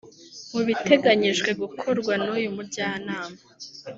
Mu biteganyijwe gukorwa n’uyu mujyanama